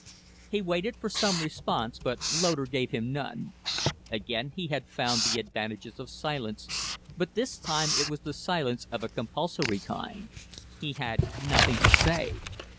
He waited for some response, but Loder gave none. Again he had found the advantages of silence, but this time it was silence of a compulsory kind. He had nothing to say.